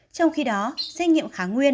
trong khi đó xét nghiệm kháng nguyên